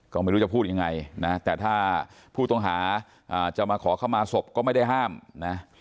ก็ไม่รู้จะพูดยังไงนะแต่ถ้าผู้ต้องหาจะมาขอเข้ามาศพก็ไม่ได้ห้ามนะ